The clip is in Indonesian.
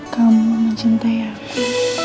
kamu mencintai aku